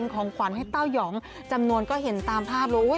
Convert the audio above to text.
ของขวัญให้เต้ายองจำนวนก็เห็นตามภาพเลย